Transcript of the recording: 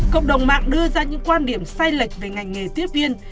cộng đồng mạng đưa ra những quan điểm sai lệch về ngành nghề tiếp viên